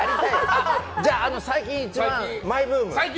じゃあ、最近一番のマイブーム。